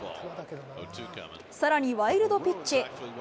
さらにワイルドピッチ。